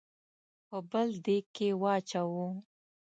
په بل دېګ کې واچوو.